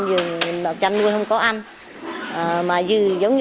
với giá thức ăn chăn nuôi tăng cao như hiện nay